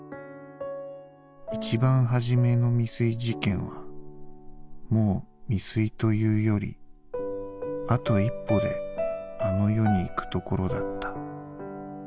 一番初めの未遂事件はもう未遂と言うよりあと１歩であの世に行く所だった」。